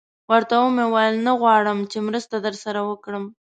ورته ومې ویل: نه غواړئ چې مرسته در سره وکړم؟